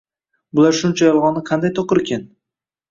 Bular shuncha yolg‘onni qanday to‘qirkin?